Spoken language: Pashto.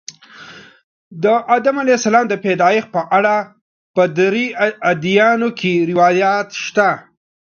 د آدم علیه السلام د پیدایښت په اړه په درې ادیانو کې روایات شته.